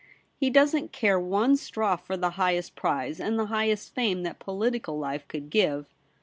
He doesn't care one straw for the highest prize and the highest fame that political life could give.